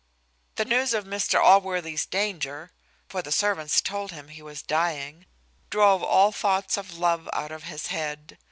The news of Mr Allworthy's danger (for the servant told him he was dying) drove all thoughts of love out of his head.